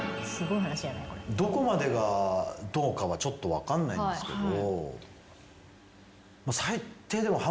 どこまでがどうかはちょっと分かんないんですけど。